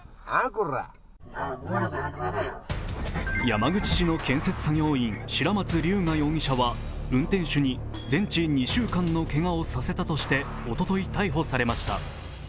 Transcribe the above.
山口市の建設作業員、白松竜雅容疑者は、運転手に全治２週間のけがをさせたとしておととい逮捕されました。